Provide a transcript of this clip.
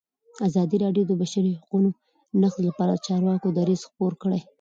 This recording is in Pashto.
ازادي راډیو د د بشري حقونو نقض لپاره د چارواکو دریځ خپور کړی.